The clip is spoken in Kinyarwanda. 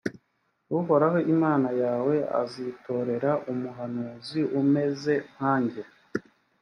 uhoraho imana yawe azitorera umuhanuzi umeze nkanjye,